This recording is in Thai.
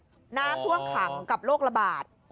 คุณผู้ชมถามมาในไลฟ์ว่าเขาขอฟังเหตุผลที่ไม่ให้จัดอีกที